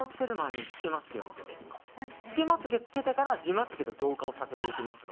つけまつ毛つけてから自まつ毛と同化させていきます。